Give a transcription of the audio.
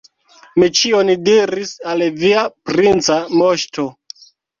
Mi ĉion diris al via princa moŝto.